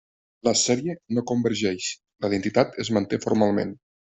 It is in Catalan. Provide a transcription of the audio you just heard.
La sèrie no convergeix, la identitat es manté formalment.